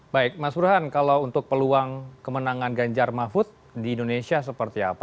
baik mas burhan kalau untuk peluang kemenangan ganjar mahfud di indonesia seperti apa